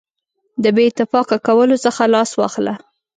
د بې اتفاقه کولو څخه لاس واخله.